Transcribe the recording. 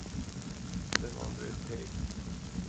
Den andre teg.